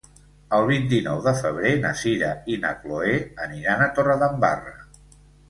El vint-i-nou de febrer na Sira i na Chloé aniran a Torredembarra.